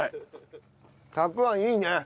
たくあんいいね。